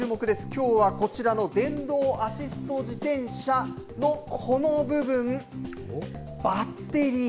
きょうはこちらの電動アシスト自転車のこの部分バッテリー